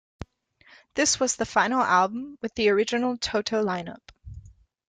This was the final album with the original Toto lineup.